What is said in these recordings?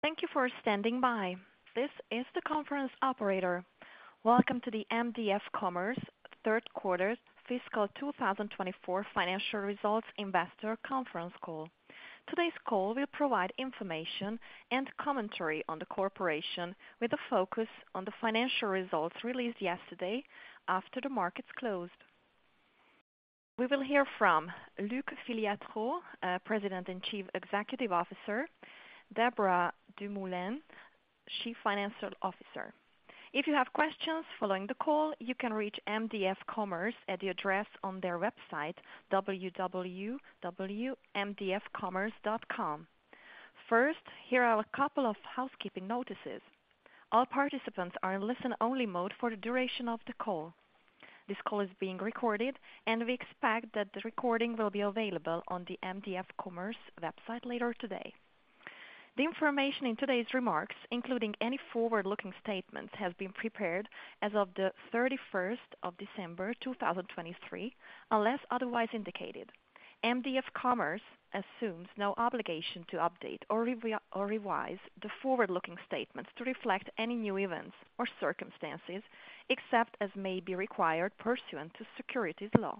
Thank you for standing by. This is the conference operator. Welcome to the mdf commerce third quarter fiscal 2024 financial results investor conference call. Today's call will provide information and commentary on the corporation, with a focus on the financial results released yesterday after the markets closed. We will hear from Luc Filiatreault, President and Chief Executive Officer, Deborah Dumoulin, Chief Financial Officer. If you have questions following the call, you can reach mdf commerce at the address on their website, www.mdfcommerce.com. First, here are a couple of housekeeping notices. All participants are in listen-only mode for the duration of the call. This call is being recorded, and we expect that the recording will be available on the mdf commerce website later today. The information in today's remarks, including any forward-looking statements, has been prepared as of the thirty-first of December, 2023, unless otherwise indicated. mdf commerce assumes no obligation to update or revise the forward-looking statements to reflect any new events or circumstances, except as may be required pursuant to securities law.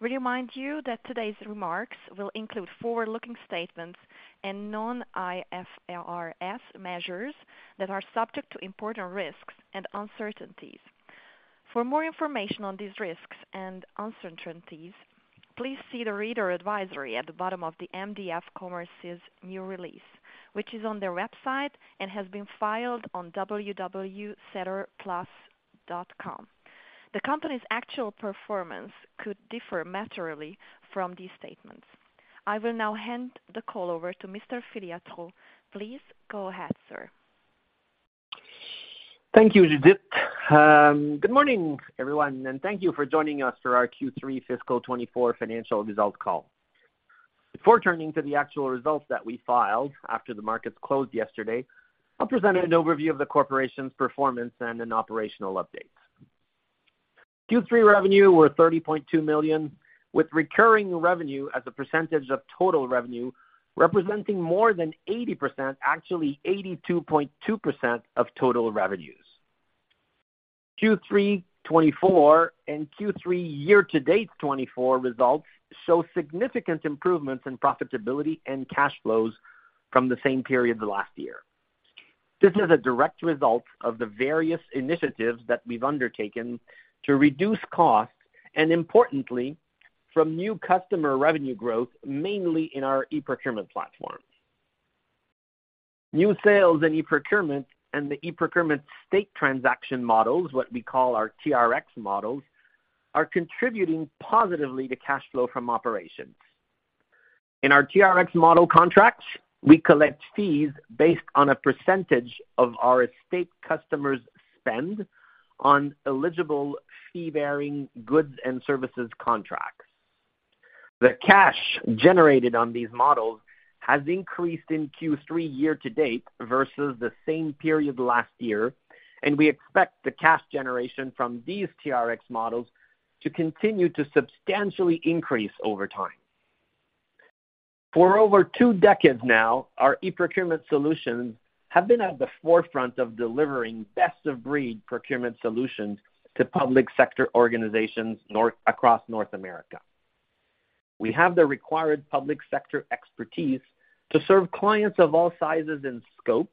We remind you that today's remarks will include forward-looking statements and non-IFRS measures that are subject to important risks and uncertainties. For more information on these risks and uncertainties, please see the reader advisory at the bottom of the mdf commerce's news release, which is on their website and has been filed on www.sedarplus.com. The company's actual performance could differ materially from these statements. I will now hand the call over to Mr. Filiatreault. Please go ahead, sir. Thank you, Judith. Good morning, everyone, and thank you for joining us for our Q3 fiscal 2024 financial results call. Before turning to the actual results that we filed after the markets closed yesterday, I'll present an overview of the corporation's performance and an operational update. Q3 revenue were 30.2 million, with recurring revenue as a percentage of total revenue, representing more than 80%, actually 82.2% of total revenues. Q3 2024 and Q3 year-to-date 2024 results show significant improvements in profitability and cash flows from the same period last year. This is a direct result of the various initiatives that we've undertaken to reduce costs, and importantly, from new customer revenue growth, mainly in our e-procurement platforms. New sales and e-procurement and the e-procurement state transaction models, what we call our TRX models, are contributing positively to cash flow from operations. In our TRX model contracts, we collect fees based on a percentage of our state customers' spend on eligible fee-bearing goods and services contracts. The cash generated on these models has increased in Q3 year-to-date versus the same period last year, and we expect the cash generation from these TRX models to continue to substantially increase over time. For over two decades now, our e-procurement solutions have been at the forefront of delivering best-of-breed procurement solutions to public sector organizations across North America. We have the required public sector expertise to serve clients of all sizes and scope,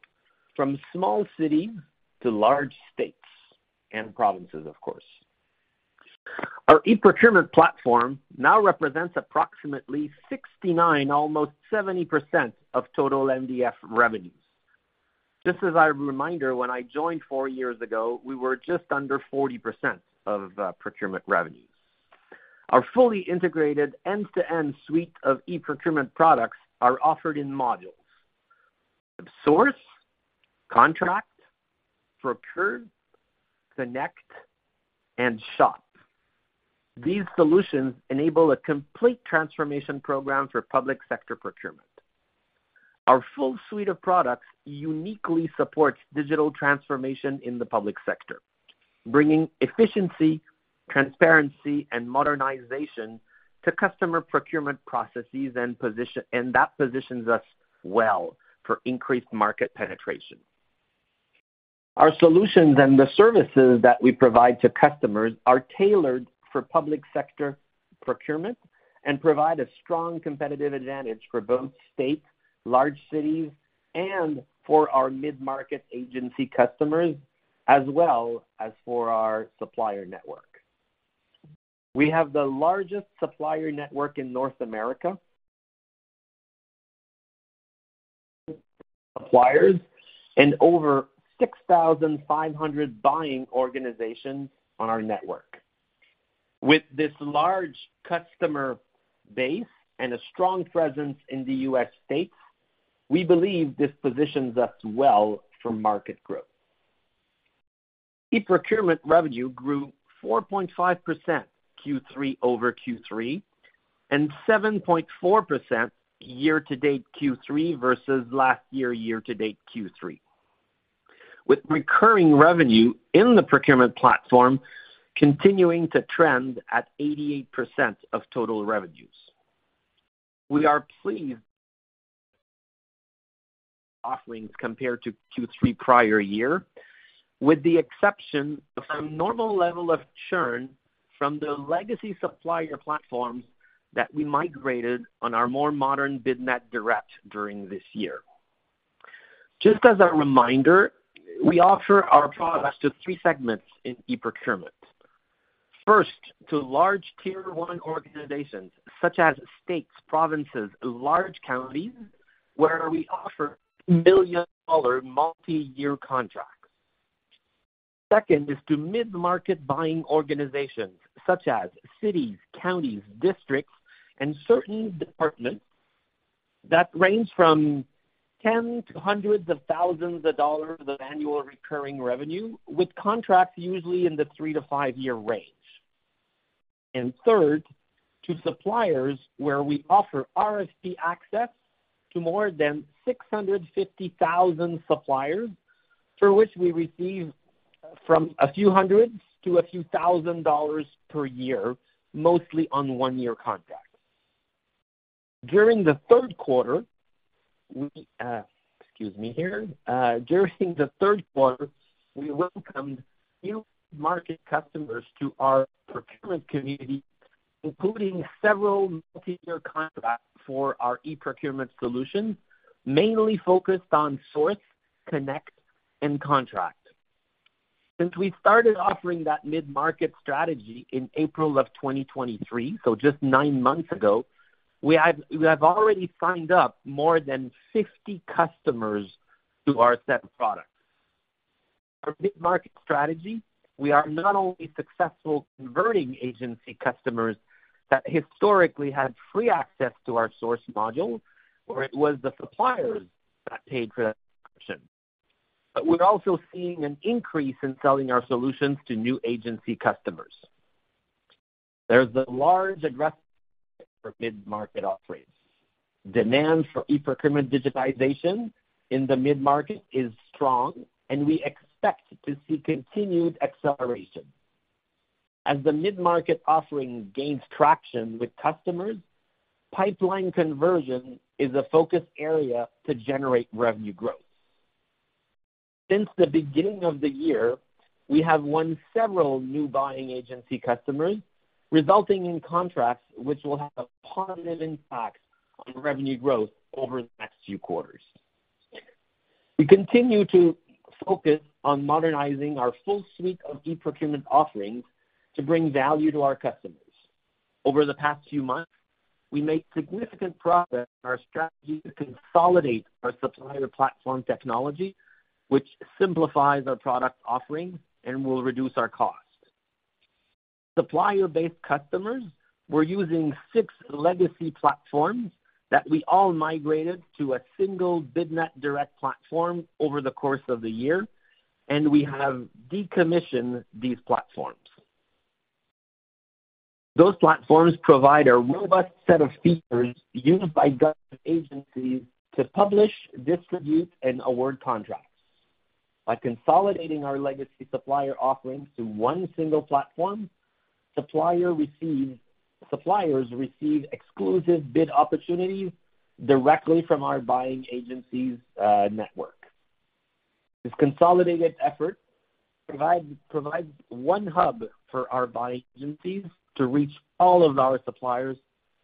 from small cities to large states and provinces, of course. Our e-procurement platform now represents approximately 69, almost 70% of total MDF revenues. Just as a reminder, when I joined four years ago, we were just under 40% of procurement revenues. Our fully integrated end-to-end suite of e-procurement products are offered in modules: Source, Contract, Procure, Connect, and Shop. These solutions enable a complete transformation program for public sector procurement. Our full suite of products uniquely supports digital transformation in the public sector, bringing efficiency, transparency, and modernization to customer procurement processes and position... And that positions us well for increased market penetration. Our solutions and the services that we provide to customers are tailored for public sector procurement and provide a strong competitive advantage for both states, large cities, and for our mid-market agency customers, as well as for our supplier network. We have the largest supplier network in North America. Suppliers and over 6,500 buying organizations on our network. With this large customer base and a strong presence in the U.S. states, we believe this positions us well for market growth. E-procurement revenue grew 4.5%, Q3 over Q3, and 7.4% year-to-date Q3 versus last year, year-to-date Q3. With recurring revenue in the procurement platform continuing to trend at 88% of total revenues. We are pleased offerings compared to Q3 prior year, with the exception of a normal level of churn from the legacy supplier platforms that we migrated on our more modern BidNet Direct during this year. Just as a reminder, we offer our products to three segments in e-procurement. First, to large tier one organizations such as states, provinces, large counties, where we offer million-dollar multi-year contracts. Second is to mid-market buying organizations such as cities, counties, districts, and certain departments that range from 10 to hundreds of thousands of dollars of annual recurring revenue, with contracts usually in the three to five-year range. Third, to suppliers, where we offer RFP access to more than 650,000 suppliers, for which we receive from a few hundred to a few thousand dollars per year, mostly on one-year contracts. During the third quarter, we welcomed new market customers to our procurement community, including several multi-year contracts for our e-procurement solution, mainly focused on Source, Connect, and Contract. Since we started offering that mid-market strategy in April of 2023, so just nine months ago, we have already signed up more than 50 customers to our suite products. For mid-market strategy, we are not only successful converting agency customers that historically had free access to our Source module, where it was the suppliers that paid for that option, but we're also seeing an increase in selling our solutions to new agency customers. There's a large address for mid-market offerings. Demand for e-procurement digitization in the mid-market is strong, and we expect to see continued acceleration. As the mid-market offering gains traction with customers, pipeline conversion is a focus area to generate revenue growth. Since the beginning of the year, we have won several new buying agency customers, resulting in contracts which will have a positive impact on revenue growth over the next few quarters. We continue to focus on modernizing our full suite of e-procurement offerings to bring value to our customers. Over the past few months, we made significant progress in our strategy to consolidate our supplier platform technology, which simplifies our product offering and will reduce our costs. Supplier-based customers were using six legacy platforms that we all migrated to a single BidNet Direct platform over the course of the year, and we have decommissioned these platforms. Those platforms provide a robust set of features used by government agencies to publish, distribute, and award contracts. By consolidating our legacy supplier offerings to one single platform, suppliers receive exclusive bid opportunities directly from our buying agencies network. This consolidated effort provides one hub for our buying agencies to reach all of our suppliers,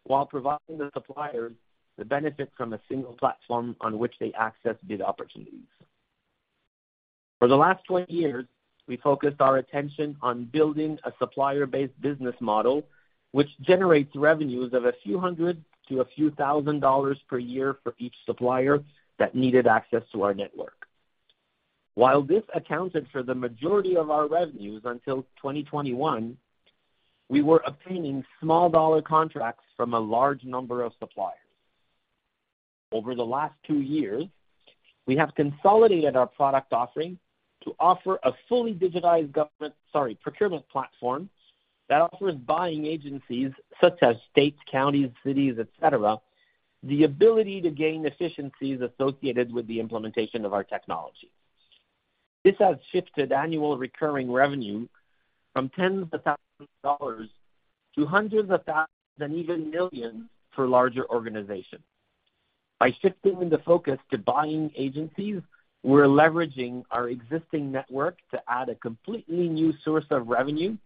while providing the suppliers the benefit from a single platform on which they access bid opportunities. For the last 20 years, we focused our attention on building a supplier-based business model, which generates revenues of a few hundred to a few thousand dollars per year for each supplier that needed access to our network. While this accounted for the majority of our revenues until 2021, we were obtaining small-dollar contracts from a large number of suppliers. Over the last two years, we have consolidated our product offering to offer a fully digitized government, sorry, procurement platform that offers buying agencies, such as states, counties, cities, et cetera, the ability to gain efficiencies associated with the implementation of our technology. This has shifted annual recurring revenue from tens of thousands of dollars to hundreds of thousands of dollars, and even millions of dollars, for larger organizations. By shifting the focus to buying agencies, we're leveraging our existing network to add a completely new source of revenue,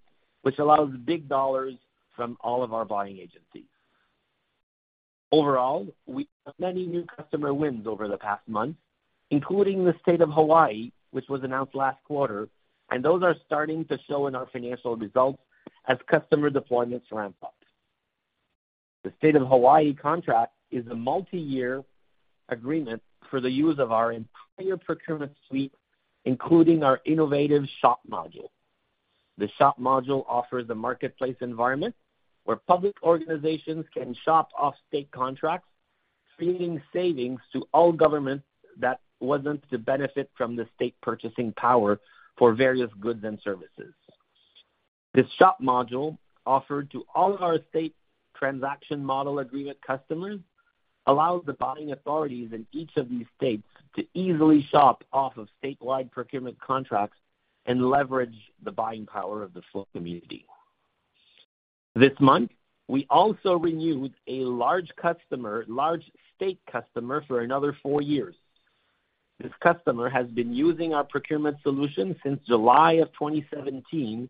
which allows big dollars from all of our buying agencies. Overall, we have many new customer wins over the past month, including the State of Hawaii, which was announced last quarter, and those are starting to show in our financial results as customer deployments ramp up. The State of Hawaii contract is a multi-year agreement for the use of our entire procurement suite, including our innovative Shop module. The Shop module offers a marketplace environment where public organizations can shop off state contracts, feeding savings to all governments that want to the benefit from the state purchasing power for various goods and services.... This Shop module, offered to all of our state transaction model agreement customers, allows the buying authorities in each of these states to easily shop off of statewide procurement contracts and leverage the buying power of the full community. This month, we also renewed a large customer, large state customer for another four years. This customer has been using our procurement solution since July of 2017,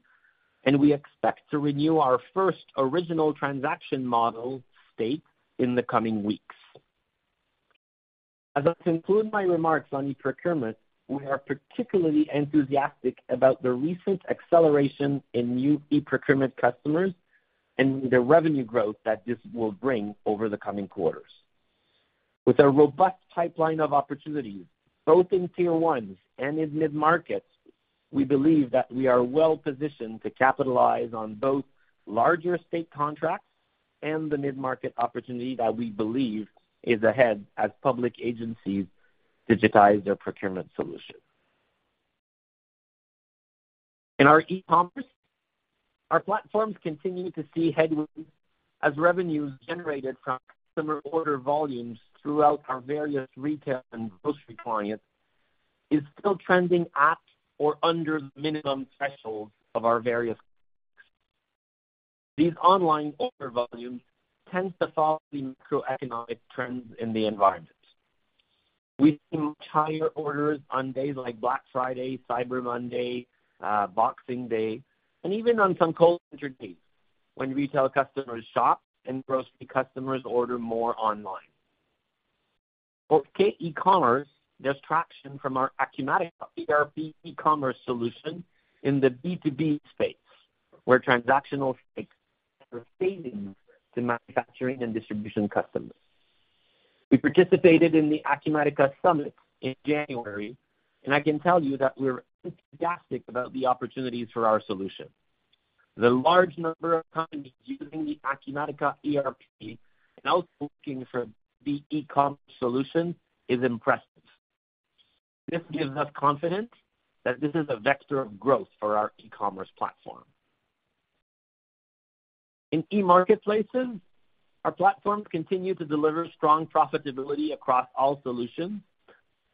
and we expect to renew our first original transaction model state in the coming weeks. As I conclude my remarks on e-procurement, we are particularly enthusiastic about the recent acceleration in new e-procurement customers and the revenue growth that this will bring over the coming quarters. With a robust pipeline of opportunities, both in tier ones and in mid-markets, we believe that we are well positioned to capitalize on both larger state contracts and the mid-market opportunity that we believe is ahead as public agencies digitize their procurement solution. In our e-commerce, our platforms continue to see headwinds as revenues generated from customer order volumes throughout our various retail and grocery clients is still trending at or under the minimum thresholds of our various. These online order volumes tend to follow the macroeconomic trends in the environment. We see much higher orders on days like Black Friday, Cyber Monday, Boxing Day, and even on some colder days when retail customers shop and grocery customers order more online. For K-eCommerce, there's traction from our Acumatica ERP e-commerce solution in the B2B space, where transactional sites are failing to manufacturing and distribution customers. We participated in the Acumatica Summit in January, and I can tell you that we're enthusiastic about the opportunities for our solution. The large number of companies using the Acumatica ERP and also looking for the e-com solution is impressive. This gives us confidence that this is a vector of growth for our e-commerce platform. In e-marketplaces, our platforms continue to deliver strong profitability across all solutions,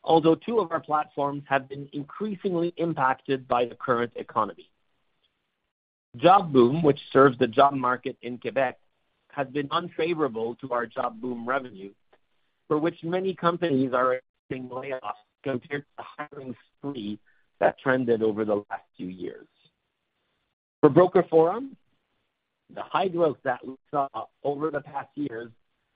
although two of our platforms have been increasingly impacted by the current economy. Jobboom, which serves the job market in Québec, has been unfavorable to our Jobboom revenue, for which many companies are experiencing layoffs compared to the hiring spree that trended over the last few years. For Broker Forum, the high growth that we saw over the past years,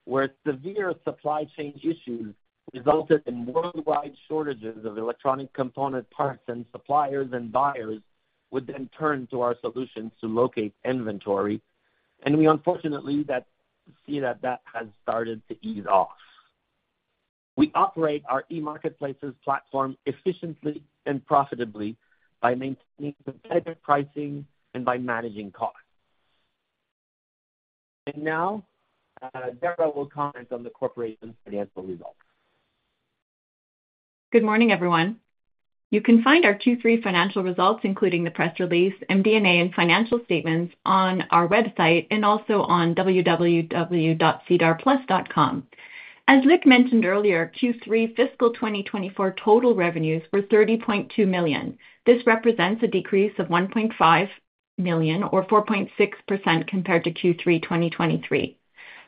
where severe supply chain issues resulted in worldwide shortages of electronic component parts, and suppliers and buyers would then turn to our solutions to locate inventory, and we unfortunately see that that has started to ease off. We operate our e-marketplaces platform efficiently and profitably by maintaining competitive pricing and by managing costs. And now, Deborah will comment on the corporation's financial results. Good morning, everyone. You can find our Q3 financial results, including the press release, MD&A, and financial statements on our website and also on www.sedarplus.com. As Luc mentioned earlier, Q3 fiscal 2024 total revenues were 30.2 million. This represents a decrease of 1.5 million, or 4.6%, compared to Q3 2023.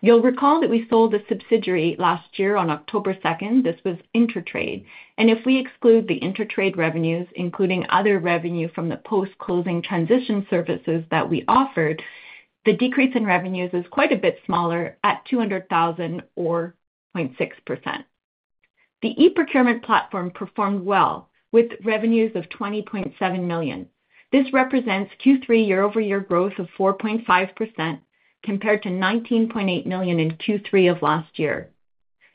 You'll recall that we sold a subsidiary last year on October 2. This was InterTrade. And if we exclude the InterTrade revenues, including other revenue from the post-closing transition services that we offered, the decrease in revenues is quite a bit smaller at 200,000, or 0.6%. The e-procurement platform performed well, with revenues of 20.7 million. This represents Q3 year-over-year growth of 4.5% compared to 19.8 million in Q3 of last year.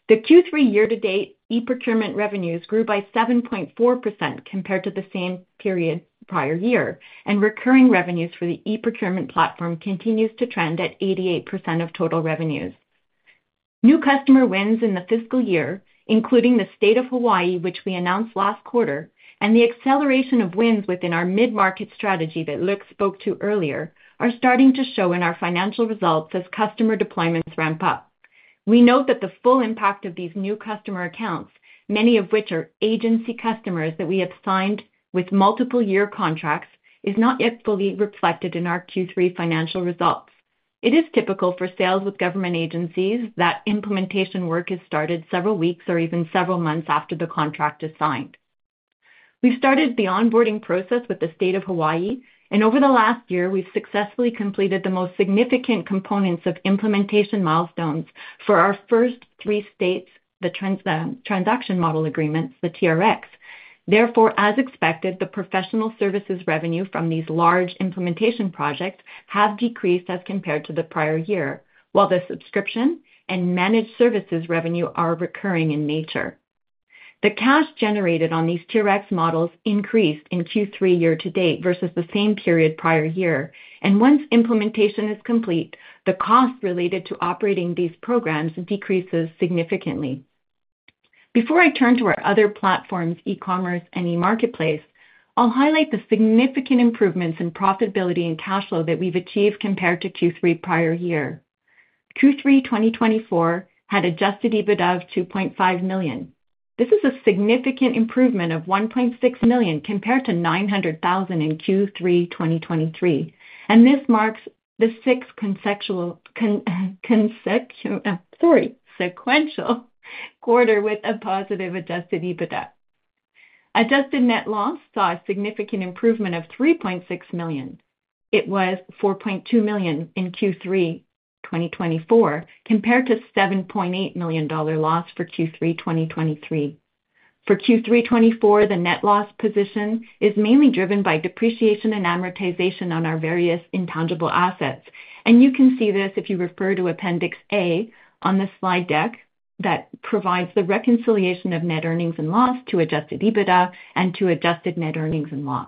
The Q3 year-to-date e-procurement revenues grew by 7.4% compared to the same period prior year, and recurring revenues for the e-procurement platform continues to trend at 88% of total revenues. New customer wins in the fiscal year, including the state of Hawaii, which we announced last quarter, and the acceleration of wins within our mid-market strategy that Luc spoke to earlier, are starting to show in our financial results as customer deployments ramp up. We note that the full impact of these new customer accounts, many of which are agency customers that we have signed with multiple year contracts, is not yet fully reflected in our Q3 financial results. It is typical for sales with government agencies that implementation work is started several weeks or even several months after the contract is signed. We've started the onboarding process with the state of Hawaii, and over the last year, we've successfully completed the most significant components of implementation milestones for our first three states, the transaction model agreements, the TRX. Therefore, as expected, the professional services revenue from these large implementation projects have decreased as compared to the prior year, while the subscription and managed services revenue are recurring in nature. The cash generated on these TRX models increased in Q3 year to date versus the same period prior year, and once implementation is complete, the cost related to operating these programs decreases significantly. Before I turn to our other platforms, eCommerce and e-marketplace, I'll highlight the significant improvements in profitability and cash flow that we've achieved compared to Q3 prior year. Q3 2024 had Adjusted EBITDA of 2.5 million. This is a significant improvement of 1.6 million compared to 900,000 in Q3 2023, and this marks the sixth sequential quarter with a positive Adjusted EBITDA. Adjusted net loss saw a significant improvement of 3.6 million. It was 4.2 million in Q3 2024, compared to 7.8 million dollar loss for Q3 2023. For Q3 2024, the net loss position is mainly driven by depreciation and amortization on our various intangible assets, and you can see this if you refer to Appendix A on the slide deck. That provides the reconciliation of net earnings and loss to Adjusted EBITDA and to Adjusted net earnings and loss.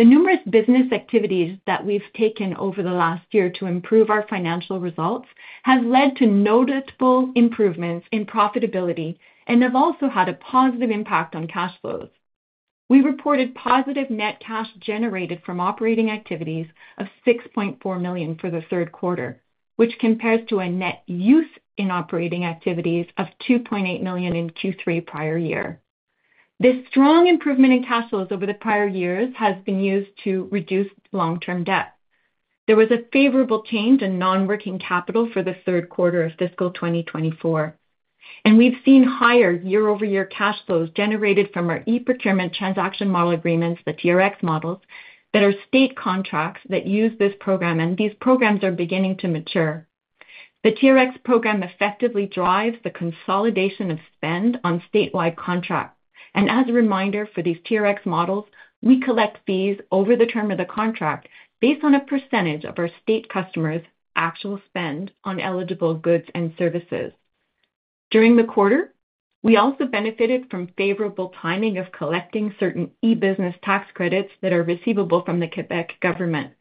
The numerous business activities that we've taken over the last year to improve our financial results, have led to noticeable improvements in profitability and have also had a positive impact on cash flows. We reported positive net cash generated from operating activities of 6.4 million for the third quarter, which compares to a net use in operating activities of 2.8 million in Q3 prior year. This strong improvement in cash flows over the prior years has been used to reduce long-term debt. There was a favorable change in non-working capital for the third quarter of fiscal 2024, and we've seen higher year-over-year cash flows generated from our e-procurement transaction model agreements, the TRX models, that are state contracts that use this program, and these programs are beginning to mature. The TRX program effectively drives the consolidation of spend on statewide contracts. And as a reminder, for these TRX models, we collect fees over the term of the contract based on a percentage of our state customers' actual spend on eligible goods and services. During the quarter, we also benefited from favorable timing of collecting certain e-business tax credits that are receivable from the Québec government.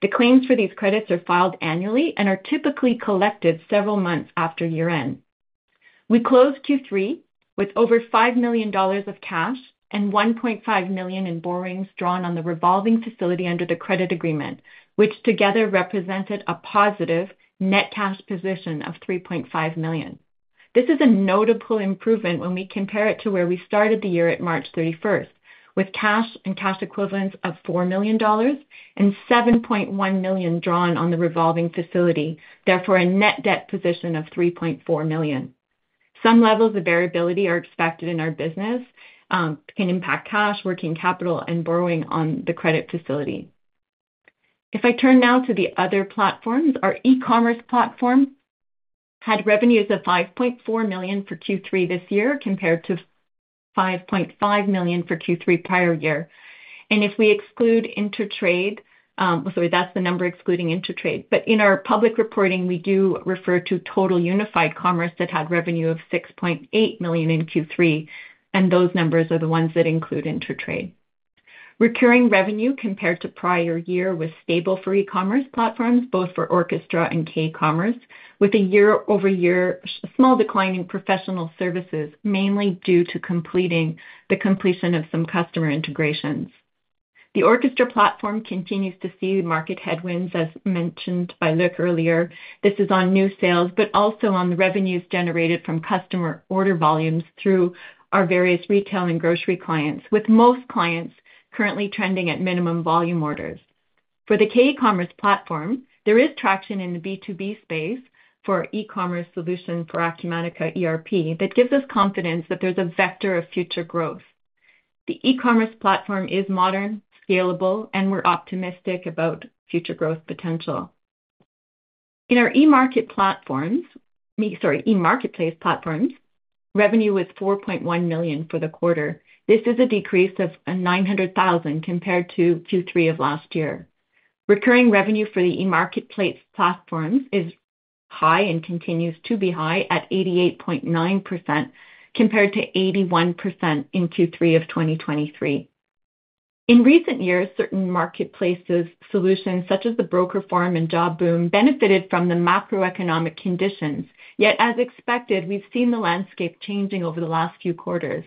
The claims for these credits are filed annually and are typically collected several months after year-end. We closed Q3 with over 5 million dollars of cash and 1.5 million in borrowings drawn on the revolving facility under the credit agreement, which together represented a positive net cash position of 3.5 million. This is a notable improvement when we compare it to where we started the year at March 31st, with cash and cash equivalents of 4 million dollars and 7.1 million drawn on the revolving facility, therefore, a net debt position of 3.4 million. Some levels of variability are expected in our business, can impact cash, working capital, and borrowing on the credit facility. If I turn now to the other platforms, our e-commerce platform had revenues of 5.4 million for Q3 this year, compared to 5.5 million for Q3 prior year. If we exclude InterTrade, sorry, that's the number excluding InterTrade. But in our public reporting, we do refer to total unified commerce that had revenue of 6.8 million in Q3, and those numbers are the ones that include InterTrade. Recurring revenue compared to prior year was stable for e-commerce platforms, both for Orckestra and k-eCommerce, with a year-over-year small decline in professional services, mainly due to the completion of some customer integrations. The Orckestra platform continues to see market headwinds, as mentioned by Luc earlier. This is on new sales, but also on the revenues generated from customer order volumes through our various retail and grocery clients, with most clients currently trending at minimum volume orders. For the k-eCommerce platform, there is traction in the B2B space for e-commerce solution for Acumatica ERP that gives us confidence that there's a vector of future growth. The e-commerce platform is modern, scalable, and we're optimistic about future growth potential. In our e-marketplace platforms, revenue was 4.1 million for the quarter. This is a decrease of 900,000 compared to Q3 of last year. Recurring revenue for the e-marketplace platforms is high and continues to be high at 88.9%, compared to 81% in Q3 of 2023. In recent years, certain marketplaces solutions, such as the Broker Forum and Jobboom, benefited from the macroeconomic conditions. Yet, as expected, we've seen the landscape changing over the last few quarters.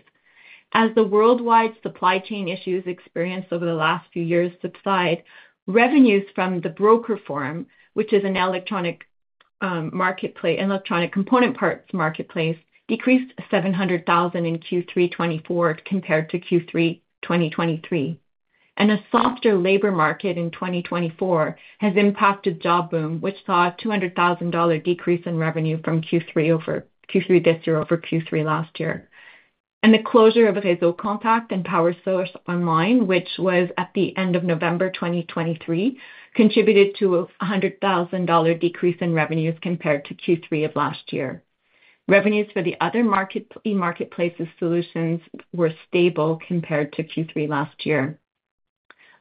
As the worldwide supply chain issues experienced over the last few years subside, revenues from the Broker Forum, which is an electronic, marketplace, electronic component parts marketplace, decreased 700,000 in Q3 2024 compared to Q3 2023. And a softer labor market in 2024 has impacted Jobboom, which saw a 200,000 dollar decrease in revenue from Q3 over Q3 this year over Q3 last year. The closure of Réseau Contact and Power Source Online, which was at the end of November 2023, contributed to a 100,000 dollar decrease in revenues compared to Q3 of last year. Revenues for the other e-marketplaces solutions were stable compared to Q3 last year.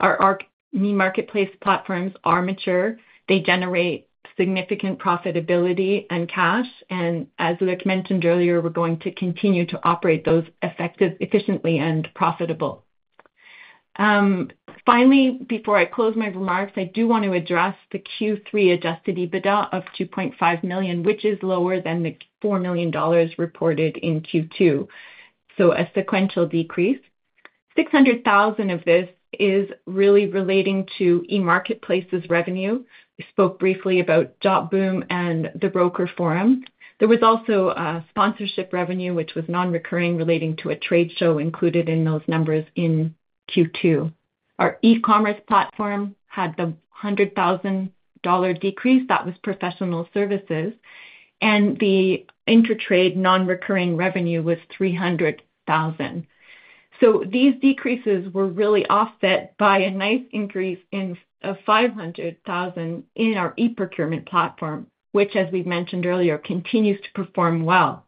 Our, our e-marketplace platforms are mature. They generate significant profitability and cash, and as Luc mentioned earlier, we're going to continue to operate those effective, efficiently and profitable. Finally, before I close my remarks, I do want to address the Q3 Adjusted EBITDA of 2.5 million, which is lower than the 4 million dollars reported in Q2, so a sequential decrease. 600,000 of this is really relating to e-marketplaces revenue. We spoke briefly about Jobboom and the Broker Forum. There was also a sponsorship revenue, which was non-recurring, relating to a trade show included in those numbers in Q2. Our e-commerce platform had the 100,000-dollar decrease. That was professional services, and the InterTrade non-recurring revenue was 300,000. So these decreases were really offset by a nice increase in, of 500,000 in our e-procurement platform, which, as we've mentioned earlier, continues to perform well.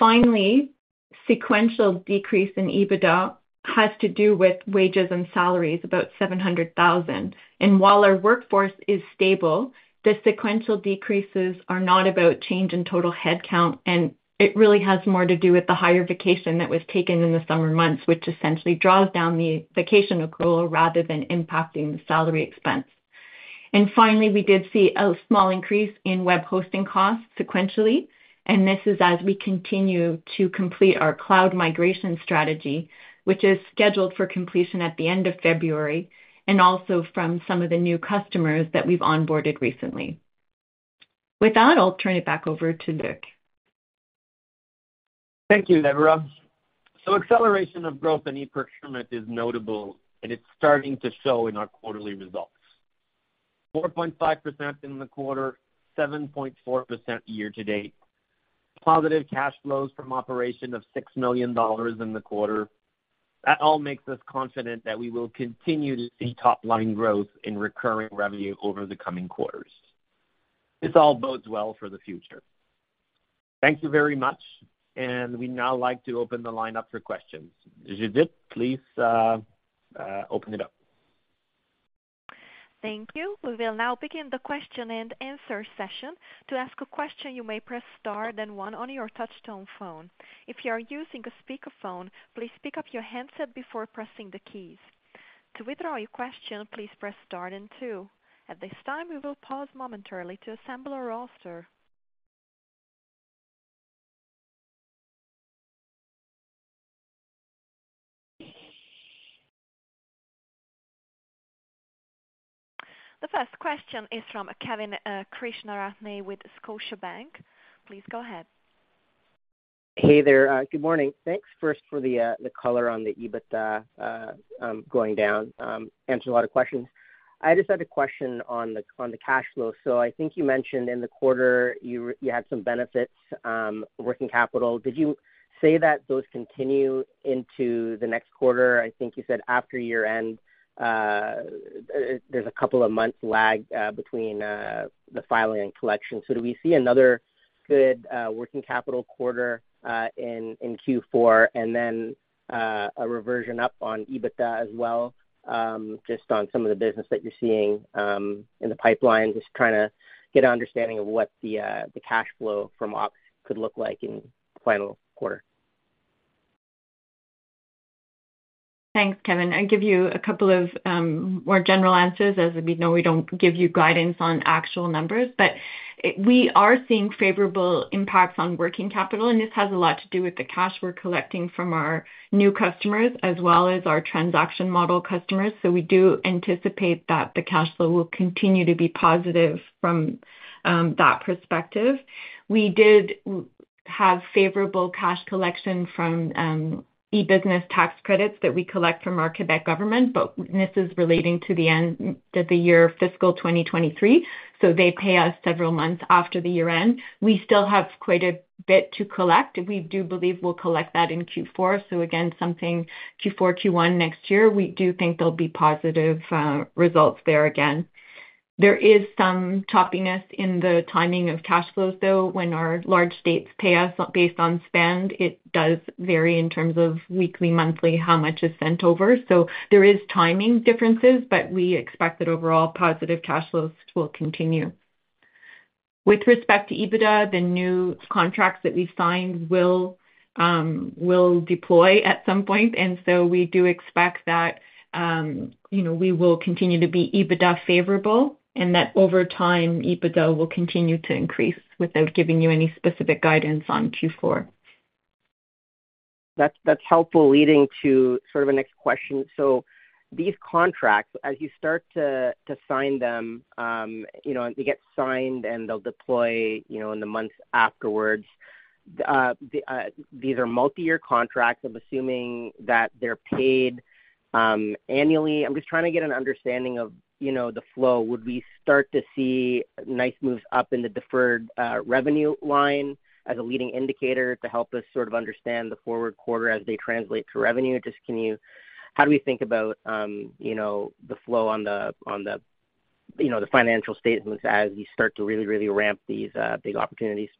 Finally, sequential decrease in EBITDA has to do with wages and salaries, about 700,000. And while our workforce is stable, the sequential decreases are not about change in total headcount, and it really has more to do with the higher vacation that was taken in the summer months, which essentially draws down the vacation accrual rather than impacting the salary expense. Finally, we did see a small increase in web hosting costs sequentially, and this is as we continue to complete our cloud migration strategy, which is scheduled for completion at the end of February, and also from some of the new customers that we've onboarded recently. With that, I'll turn it back over to Luc. Thank you, Deborah. So acceleration of growth in e-procurement is notable, and it's starting to show in our quarterly results. 4.5% in the quarter, 7.4% year to date. Positive cash flows from operation of 6 million dollars in the quarter. That all makes us confident that we will continue to see top line growth in recurring revenue over the coming quarters. This all bodes well for the future. Thank you very much, and we'd now like to open the line up for questions. Judith, please, open it up. Thank you. We will now begin the question and answer session. To ask a question, you may press Star then One on your touchtone phone. If you are using a speakerphone, please pick up your handset before pressing the keys. To withdraw your question, please press Star then Two. At this time, we will pause momentarily to assemble our roster. The first question is from Kevin Krishnaratne with Scotiabank. Please go ahead. Hey there. Good morning. Thanks, first, for the color on the EBITDA going down. Answered a lot of questions. I just had a question on the cash flow. So I think you mentioned in the quarter you had some benefits, working capital. Did you say that those continue into the next quarter? I think you said after year-end, there's a couple of months lag between the filing and collection. So do we see another good working capital quarter in Q4 and then a reversion up on EBITDA as well? Just on some of the business that you're seeing in the pipeline. Just trying to get an understanding of what the cash flow from ops could look like in final quarter. Thanks, Kevin. I'll give you a couple of more general answers. As you know, we don't give you guidance on actual numbers, but we are seeing favorable impacts on working capital, and this has a lot to do with the cash we're collecting from our new customers as well as our transaction model customers. So we do anticipate that the cash flow will continue to be positive from that perspective. We did have favorable cash collection from e-business tax credits that we collect from our Quebec government, but this is relating to the end of the year fiscal 2023, so they pay us several months after the year end. We still have quite a bit to collect. We do believe we'll collect that in Q4. So again, something Q4, Q1 next year, we do think there'll be positive results there again. There is some choppiness in the timing of cash flows, though. When our large states pay us based on spend, it does vary in terms of weekly, monthly, how much is sent over. So there is timing differences, but we expect that overall positive cash flows will continue. With respect to EBITDA, the new contracts that we've signed will deploy at some point, and so we do expect that, you know, we will continue to be EBITDA favorable and that over time, EBITDA will continue to increase without giving you any specific guidance on Q4. That's, that's helpful, leading to sort of a next question. So these contracts, as you start to, to sign them, you know, they get signed and they'll deploy, you know, in the months afterwards. These are multi-year contracts. I'm assuming that they're paid annually. I'm just trying to get an understanding of, you know, the flow. Would we start to see nice moves up in the deferred revenue line as a leading indicator to help us sort of understand the forward quarter as they translate to revenue? Just can you-- How do we think about, you know, the flow on the, on the, you know, the financial statements as you start to really, really ramp these big opportunities? ...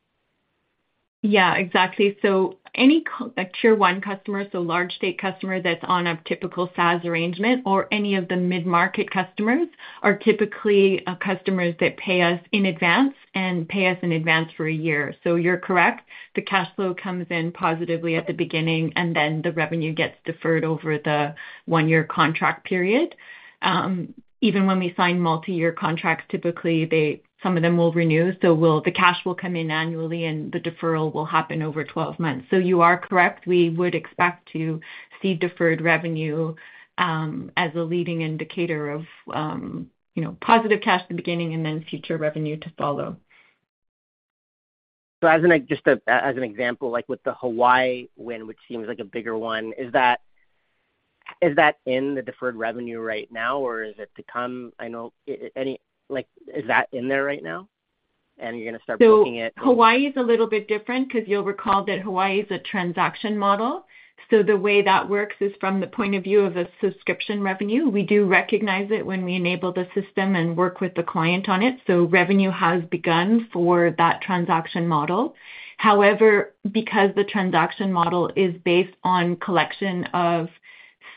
Yeah, exactly. So any like tier one customer, so large state customer that's on a typical SaaS arrangement or any of the mid-market customers, are typically customers that pay us in advance and pay us in advance for a year. So you're correct. The cash flow comes in positively at the beginning, and then the revenue gets deferred over the one-year contract period. Even when we sign multi-year contracts, typically they-- some of them will renew, so we'll-- the cash will come in annually, and the deferral will happen over 12 months. So you are correct, we would expect to see deferred revenue as a leading indicator of, you know, positive cash in the beginning and then future revenue to follow. So, as an example, like with the Hawaii win, which seems like a bigger one, is that in the deferred revenue right now, or is it to come? I know, like, is that in there right now, and you're gonna start booking it? So Hawaii is a little bit different because you'll recall that Hawaii is a transaction model. So the way that works is from the point of view of a subscription revenue. We do recognize it when we enable the system and work with the client on it, so revenue has begun for that transaction model. However, because the transaction model is based on collection of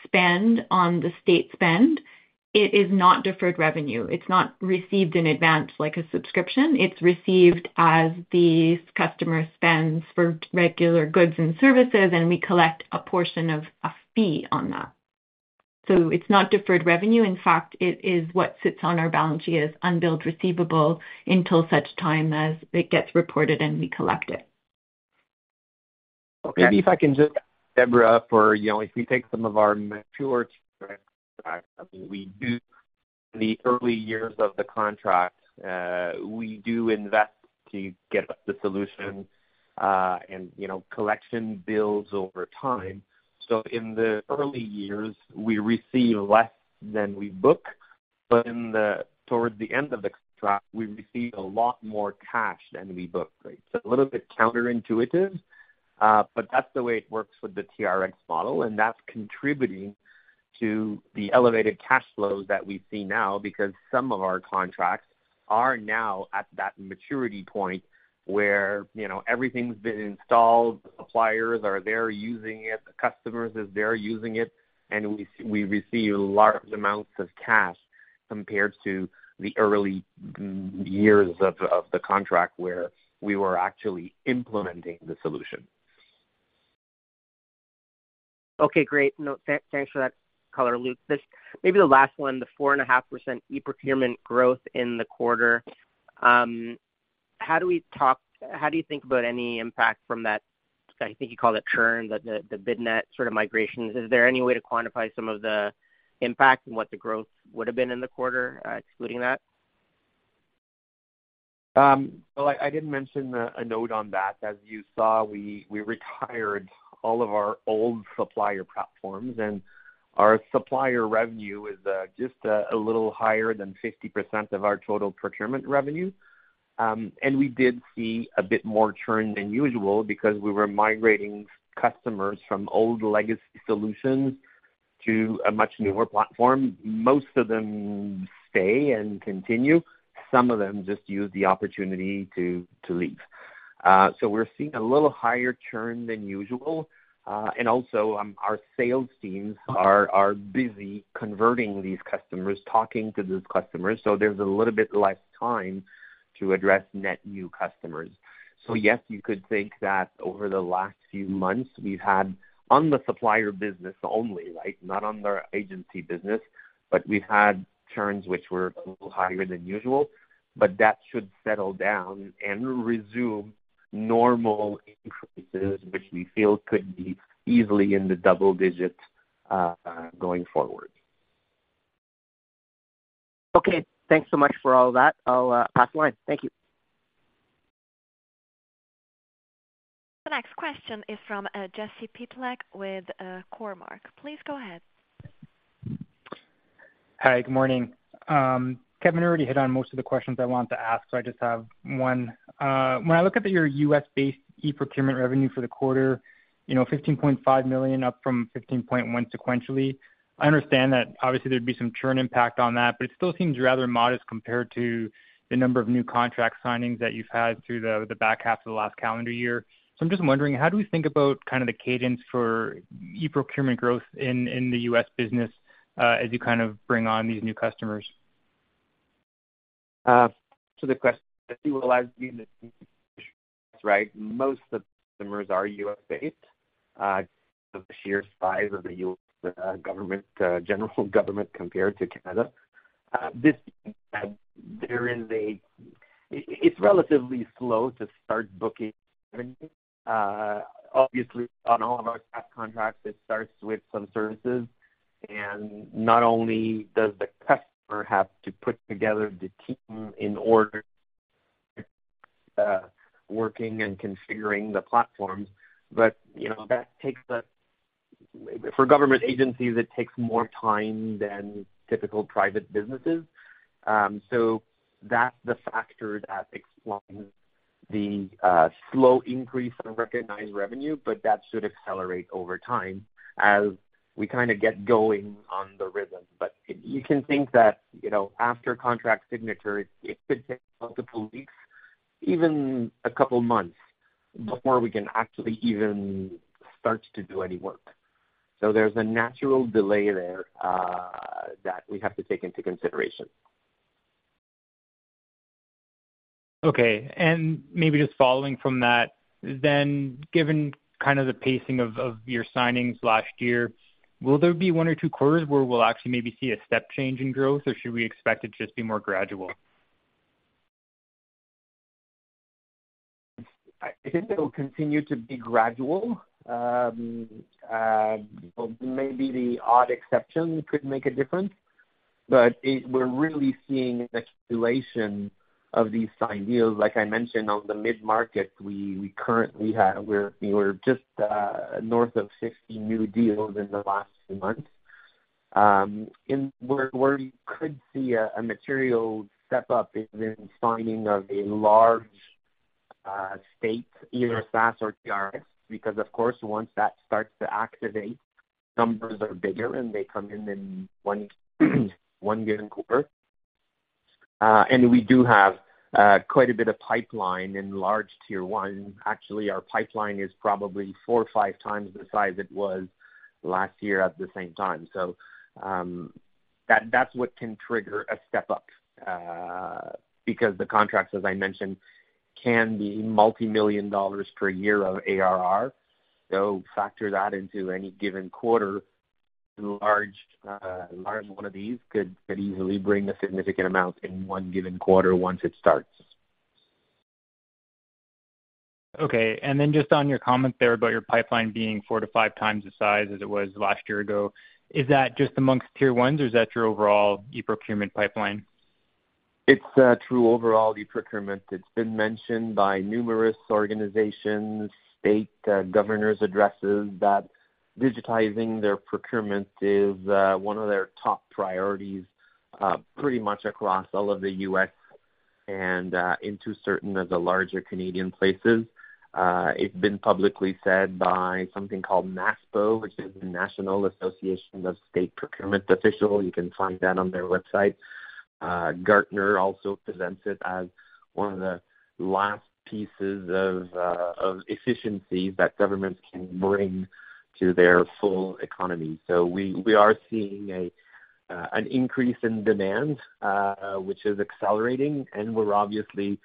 spend on the state spend, it is not deferred revenue. It's not received in advance like a subscription. It's received as the customer spends for regular goods and services, and we collect a portion of a fee on that. So it's not deferred revenue. In fact, it is what sits on our balance sheet as unbilled receivable until such time as it gets reported and we collect it. Okay. Maybe if I can just, Deborah, for, you know, if we take some of our mature contracts, I mean, we do the early years of the contract, we do invest to get up the solution, and, you know, collection bills over time. So in the early years, we receive less than we book, but in the, towards the end of the contract, we receive a lot more cash than we book, right? So a little bit counterintuitive, but that's the way it works with the TRX model, and that's contributing to the elevated cash flows that we see now, because some of our contracts are now at that maturity point where, you know, everything's been installed, the suppliers are there using it, the customers is there using it, and we receive large amounts of cash compared to the early years of the contract, where we were actually implementing the solution. Okay, great. No, thanks for that color, Luc. This, maybe the last one, the 4.5% e-procurement growth in the quarter. How do you think about any impact from that, I think you call it churn, the BidNet sort of migrations? Is there any way to quantify some of the impact and what the growth would have been in the quarter, excluding that? So I did mention a note on that. As you saw, we retired all of our old supplier platforms, and our supplier revenue is just a little higher than 50% of our total procurement revenue. And we did see a bit more churn than usual because we were migrating customers from old legacy solutions to a much newer platform. Most of them stay and continue. Some of them just use the opportunity to leave. So we're seeing a little higher churn than usual, and also our sales teams are busy converting these customers, talking to these customers, so there's a little bit less time to address net new customers. So yes, you could think that over the last few months, we've had on the supplier business only, right, not on their agency business, but we've had churns which were a little higher than usual, but that should settle down and resume normal increases, which we feel could be easily in the double digits, going forward. Okay, thanks so much for all that. I'll pass the line. Thank you. The next question is from Jesse Pytlak, with Cormark. Please go ahead. Hi, good morning. Kevin already hit on most of the questions I want to ask, so I just have one. When I look at your US-based e-procurement revenue for the quarter, you know, $15.5 million, up from $15.1 million sequentially, I understand that obviously there'd be some churn impact on that, but it still seems rather modest compared to the number of new contract signings that you've had through the back half of the last calendar year. So I'm just wondering, how do we think about kind of the cadence for e-procurement growth in the U.S. business, as you kind of bring on these new customers? the question, I mean, yeah, right? Most of the customers are U.S.-based, of the sheer size of the U.S. government, general government compared to Canada. This, there is a... It's relatively slow to start booking revenue. Obviously, on all of our contracts, it starts with some services, and not only does the customer have to put together the team in order, working and configuring the platforms, but, you know, that takes for government agencies, it takes more time than typical private businesses. So that's the factor that explains the slow increase in recognized revenue, but that should accelerate over time as we kind of get going on the rhythm. But you can think that, you know, after contract signature, it could take multiple weeks, even a couple of months, before we can actually even start to do any work. There's a natural delay there, that we have to take into consideration. Okay. Maybe just following from that, then, given kind of the pacing of your signings last year, will there be one or two quarters where we'll actually maybe see a step change in growth, or should we expect it to just be more gradual? I think it'll continue to be gradual. Well, maybe the odd exception could make a difference, but we're really seeing an accumulation of these signed deals. Like I mentioned, on the mid-market, we currently have, we're just north of 60 new deals in the last month. And where we could see a material step up is in signing of a large state, either SaaS or TRX, because of course, once that starts to activate, numbers are bigger, and they come in in one given quarter. And we do have quite a bit of pipeline in large tier one. Actually, our pipeline is probably four or five times the size it was last year at the same time. So, that's what can trigger a step up, because the contracts, as I mentioned, can be multimillion dollars per year of ARR. So factor that into any given quarter, a large one of these could easily bring a significant amount in one given quarter once it starts. Okay. And then just on your comment there about your pipeline being four to five times the size as it was last year ago, is that just among tier ones, or is that your overall e-procurement pipeline? It's true overall e-procurement. It's been mentioned by numerous organizations, state governors' addresses, that digitizing their procurement is one of their top priorities pretty much across all of the U.S. and into certain of the larger Canadian places. It's been publicly said by something called NASPO, which is the National Association of State Procurement Officials. You can find that on their website. Gartner also presents it as one of the last pieces of efficiency that governments can bring to their full economy. So we are seeing an increase in demand which is accelerating, and we're obviously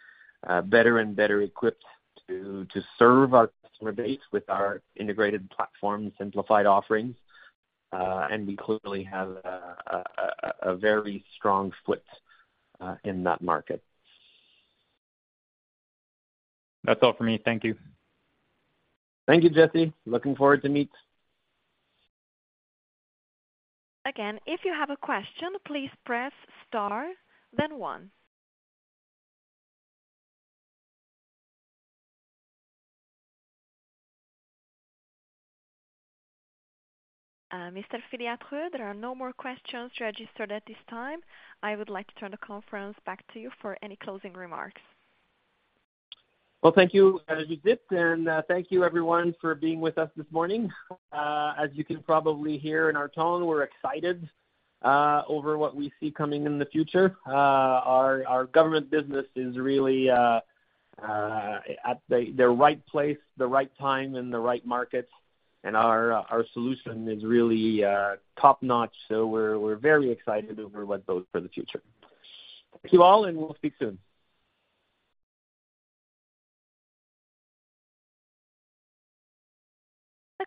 better and better equipped to serve our customer base with our integrated platform, simplified offerings. And we clearly have a very strong foot in that market. That's all for me. Thank you. Thank you, Jesse. Looking forward to meet. Again, if you have a question, please press star, then one. Mr. Filiatreault, there are no more questions registered at this time. I would like to turn the conference back to you for any closing remarks. Well, thank you, Judith, and thank you everyone for being with us this morning. As you can probably hear in our tone, we're excited over what we see coming in the future. Our government business is really at the right place, the right time, and the right market, and our solution is really top-notch. So we're very excited over what bodes for the future. Thank you all, and we'll speak soon.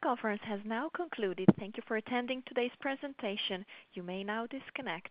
The conference has now concluded. Thank you for attending today's presentation. You may now disconnect.